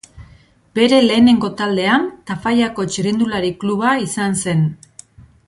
Bere lehenengo taldea Tafallako Txirrindulari Kluba izan zen.